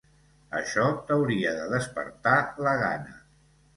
Això t'hauria de despertar la gana.